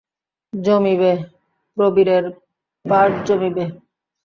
জমিবে, প্রবীরের পার্ট জমিবে।